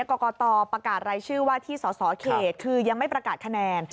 กรกตประกาศรายชื่อว่าที่สสเขตคือยังไม่ประกาศคะแนน